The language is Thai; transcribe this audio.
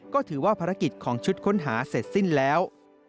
ก็ถือว่าภารกิจของชุดค้นหาเสร็จสิ้นแล้ว